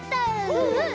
うんうん！